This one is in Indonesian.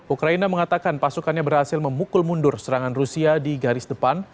ukraina mengatakan pasukannya berhasil memukul mundur serangan rusia di garis depan